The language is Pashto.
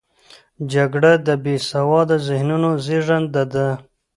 جګړه د بې سواده ذهنونو زیږنده ده